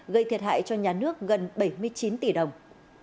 gây thiệt hại cho nhà nước gần bảy mươi chín tỷ đồng